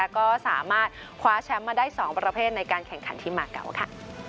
ก็สามารถคว้าแชมป์มาได้๒ประเภทในการแข่งขันที่มาเก่าค่ะ